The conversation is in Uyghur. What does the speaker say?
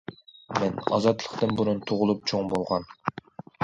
مەن ئازادلىقتىن بۇرۇن تۇغۇلۇپ چوڭ بولغان.